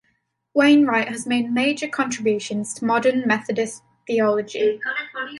Wainwright has made major contributions to modern Methodist theology.